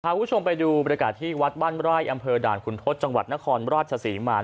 พาผู้ชมไปดูบริการที่วัดบ้านไล่อำเภอด่านขุนทศจนครราชศาสีมา